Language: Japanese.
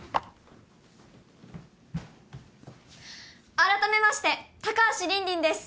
改めまして高橋凜々です